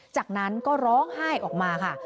จากนั้นก็ร้องไห้ออกมาค่ะ